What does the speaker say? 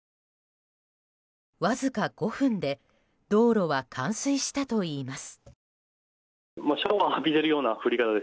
わずか５分で道路は冠水したといいます。